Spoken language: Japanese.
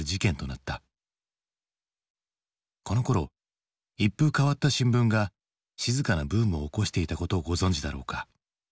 このころ一風変わった新聞が静かなブームを起こしていたことをご存じだろうか。